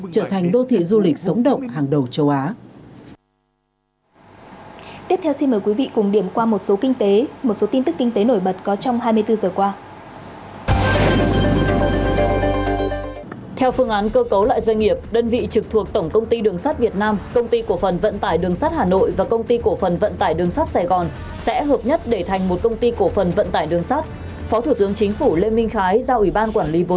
trở thành đô thị du lịch sống động hàng đầu châu á